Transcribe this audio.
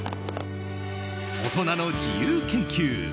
大人の自由研究。